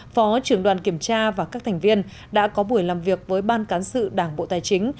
phó trưởng đoàn kiểm tra và các thành viên đã có buổi làm việc với ban cán sự đảng bộ tài chính